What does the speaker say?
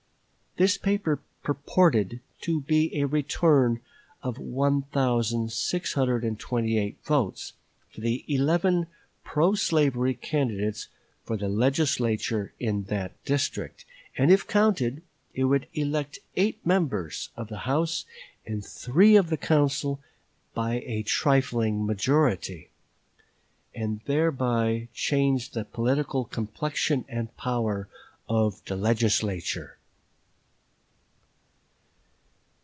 This paper purported to be a return of 1628 votes for the eleven pro slavery candidates for the Legislature in that district, and if counted it would elect eight members of the House and three of the council by a trifling majority, and thereby change the political complexion and power of the Legislature.